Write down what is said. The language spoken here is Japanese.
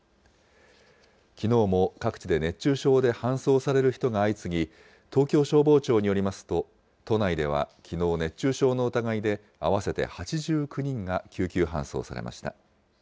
きのうも各地で熱中症で搬送される人が相次ぎ、東京消防庁によりますと、都内ではきのう、熱中症の疑いで合わせて８９人が救急搬送されました。